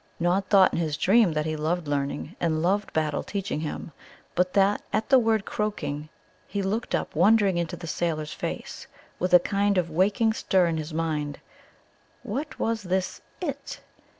Nod thought in his dream that he loved learning, and loved Battle teaching him, but that at the word "croaking" he looked up wondering into the sailor's face, with a kind of waking stir in his mind. What was this "IT"?